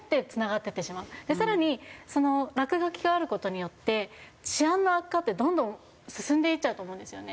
更に落書きがある事によって治安の悪化ってどんどん進んでいっちゃうと思うんですよね。